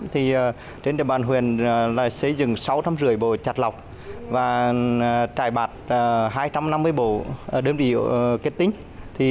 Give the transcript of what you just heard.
trên địa bàn huyện xây dựng sáu năm bộ chặt lọc và trải bạc hai trăm năm mươi bộ đơn vị ô kết tinh